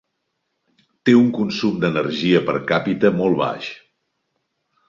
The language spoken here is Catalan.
Té un consum d'energia per càpita molt baix.